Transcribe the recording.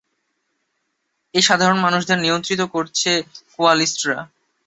এই সাধারণ মানুষদের নিয়ন্ত্রিত করছে কোয়ালিস্টরা।